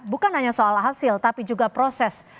bukan hanya soal hasil tapi juga proses